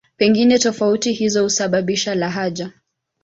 Pengine tofauti hizo husababisha lahaja.